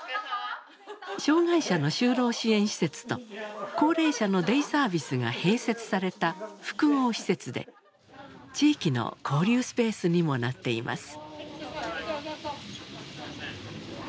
障害者の就労支援施設と高齢者のデイサービスが併設された複合施設で地域の交流スペースにもなっています。